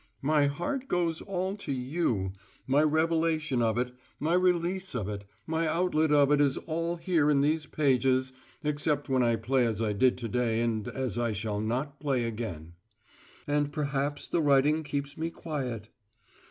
My heart goes all to You my revelation of it, my release of it, my outlet of it is all here in these pages (except when I play as I did to day and as I shall not play again) and perhaps the writing keeps me quiet.